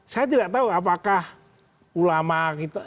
saya tidak tahu apakah ulama kita